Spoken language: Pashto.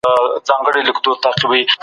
په فرانسه کي نوي نظریات پیدا سوي وو.